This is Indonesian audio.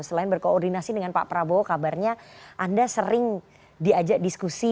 selain berkoordinasi dengan pak prabowo kabarnya anda sering diajak diskusi